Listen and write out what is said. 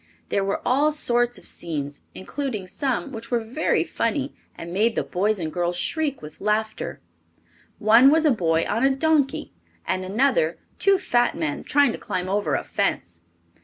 There were all sorts of scenes, including some which were very funny and made the boys and girls shriek with laughter. One was a boy on a donkey, and another two fat men trying to climb over a fence.